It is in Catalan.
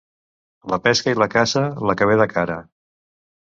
La pesca i la caça, la que ve de cara.